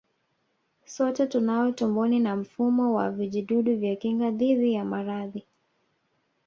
Sote tunao tumboni na mfumo wa vijidudu vya kinga dhidi ya maradhi